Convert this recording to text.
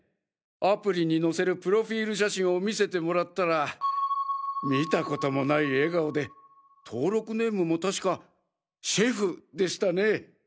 アプリに載せるプロフィール写真を見せてもらったら見たこともない笑顔で登録ネームもたしか「シェフ」でしたね。